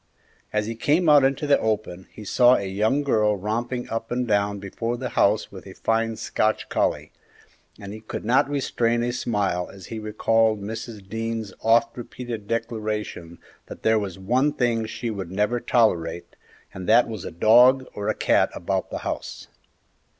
As he came out into the open, he saw a young girl romping up and down before the house with a fine Scotch collie, and he could not restrain a smile as he recalled Mrs. Dean's oft repeated declaration that there was one thing she would never tolerate, and that was a dog or a cat about the house.